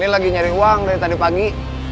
lagi nyari uang dari tadi pagi